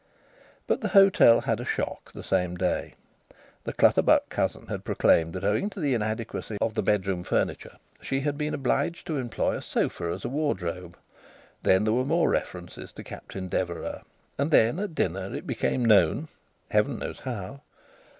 But the hotel had a shock the same day. The Clutterbuck cousin had proclaimed that owing to the inadequacy of the bedroom furniture she had been obliged to employ a sofa as a wardrobe. Then there were more references to Captain Deverax. And then at dinner it became known Heaven knows how!